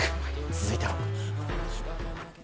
続いては。